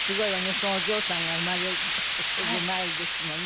そのお嬢さんが生まれる前ですもんね。